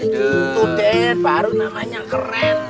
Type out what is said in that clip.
to den baru namanya keren